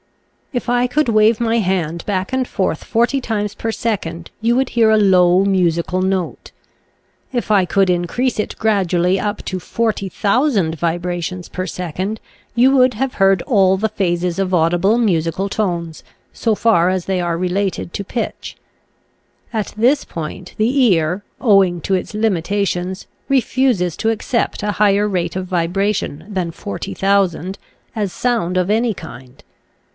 If I could wave my hand back and forth forty times per second you would hear a low musical note. If I could increase it gradually , i . Original from UNIVERSITY OF WISCONSIN 176 Haturc'0 dBtracles. up to 40,000 vibrations per second you would have heard all the phases of audible musical tones, so far as they are related to pitch. At this point the ear, owing to its limitations, refuses to accept a higher rate of vibration than 40,000 as sound of any kind.